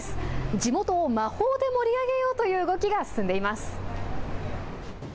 地元を魔法で盛り上げようという動きが進んでいます。